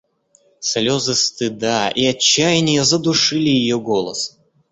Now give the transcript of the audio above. Слезы стыда и отчаяния задушили ее голос.